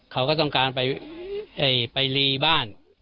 เขาก็ต้องการไปรีบ้าน